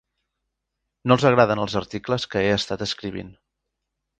No els agraden els articles que he estat escrivint.